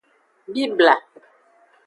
Bibla.